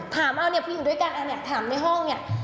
ถามเอาเนี่ยผู้หญิงด้วยกันอันนี้ถามในห้องเนี่ย